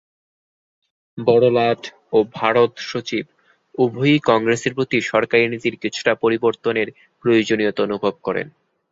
বড়লাট ও ভারত সচিব উভয়েই কংগ্রেসের প্রতি সরকারি নীতির কিছুটা পরিবর্তনের প্রয়োজনীয়তা অনুভব করেন।